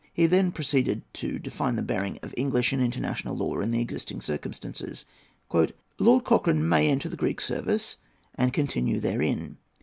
He then proceeded to define the bearing of English and international law in the existing circumstances. "Lord Cochrane may enter the Greek service, and continue therein.